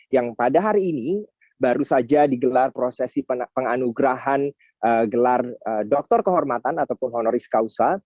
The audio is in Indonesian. yang pada hari ini baru saja digelar prosesi penganugerahan gelar doktor kehormatan ataupun honoris causa